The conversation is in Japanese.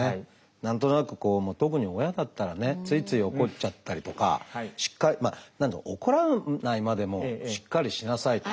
何となくこう特に親だったらねついつい怒っちゃったりとか怒らないまでも「しっかりしなさい」とか。